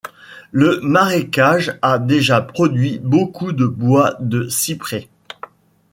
Le marécage a déjà produit beaucoup de bois de cyprès.